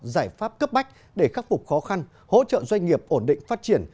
giải pháp cấp bách để khắc phục khó khăn hỗ trợ doanh nghiệp ổn định phát triển